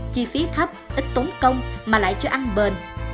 chi phí thấp ít tốn công mà lại cho ăn bền